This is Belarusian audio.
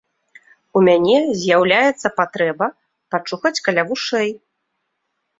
У мяне з'яўляецца патрэба пачухаць каля вушэй.